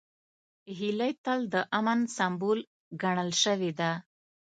هیلۍ تل د امن سمبول ګڼل شوې ده